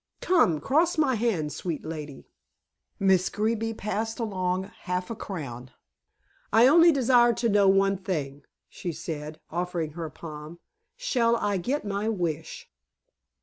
Come, cross my hand, sweet lady." Miss Greeby passed along half a crown. "I only desire to know one thing," she said, offering her palm. "Shall I get my wish?"